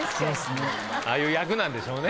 ああいう役なんでしょうね。